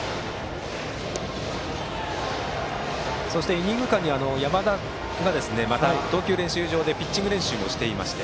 イニング間に山田が投球練習場でピッチング練習をしていました。